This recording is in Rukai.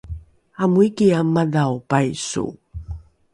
amoikiae madhao paiso